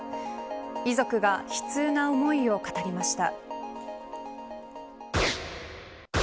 遺族が悲痛な思いを語りました。